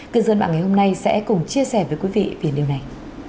cư dân mạng ngày hôm nay sẽ cùng chia sẻ với quý vị về điều này